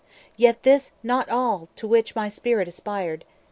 Yet this not all To which my spirit aspired.